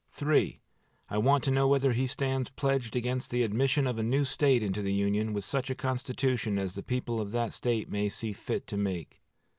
I want to know whether he stands pledged against the admission of a new State into the Union with such a constitution as the people of that State may see fit to make.